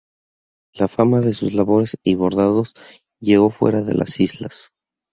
La fama de sus labores y bordados llegó fuera de a las islas.